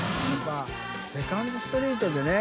セカンドストリート」でね